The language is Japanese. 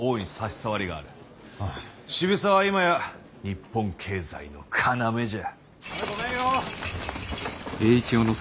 渋沢は今や日本経済の要じゃ。